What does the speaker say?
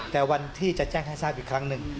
แต่วันที่จะแจ้งให้ทราบอีกครั้งหนึ่ง